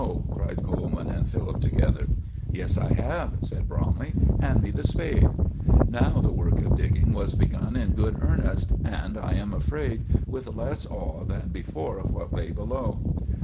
cried Coleman and Philip together. "Yes, I have," said Bromley. "Hand me the spade." Now the work of digging was begun in good earnest, and, I am afraid, with less awe than before of what lay below.